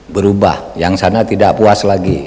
berubah yang sana tidak puas lagi